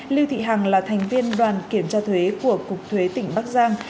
lưu thị hằng là thành viên đoàn kiểm tra thuế của cục thuế tỉnh bắc giang